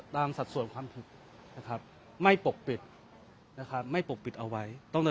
ตามสัดส่วนความผิดไม่ปกปิดไม่ปกปิดเอาไว้